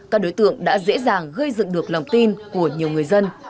các đối tượng đã dễ dàng gây dựng được lòng tin của nhiều người dân